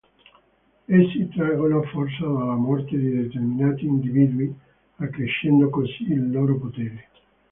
Essi traggono forza dalla morte di determinati individui accrescendo così il loro potere.